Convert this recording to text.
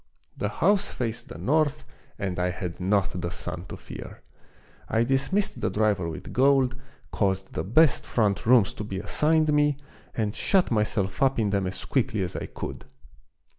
The house faced the north and I had not the sun to fear. I dismissed the driver with gold, caused the best front rooms to be assigned me, and shut myself up in them as quickly as I could